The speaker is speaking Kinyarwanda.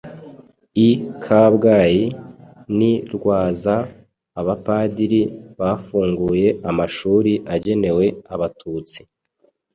i Kabgayi n'i Rwaza Abapadiri bafunguye amashuri agenewe Abatutsi